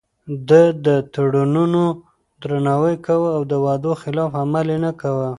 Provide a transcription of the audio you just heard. ده د تړونونو درناوی کاوه او د وعدو خلاف عمل يې نه کاوه.